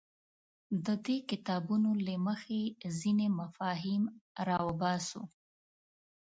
د دې کتابونو له مخې ځینې مفاهیم راوباسو.